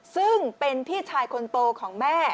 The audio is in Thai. ซึ่งเป็นพี่ชายคนโตของแม่